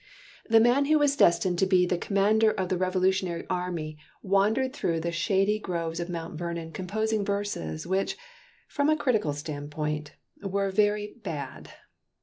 The man who was destined to be the Commander of the Revolutionary Army, wandered through the shady groves of Mount Vernon composing verses which, from a critical standpoint, were very bad.